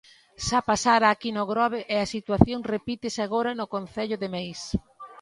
Xa pasara aquí no Grove e a situación repítese agora no concello de Meis.